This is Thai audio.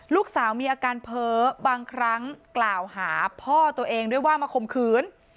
ลูกสาวมีอาการเพ้อบางครั้งกล่าวหาพ่อตัวเองด้วยว่ามาข่มขืน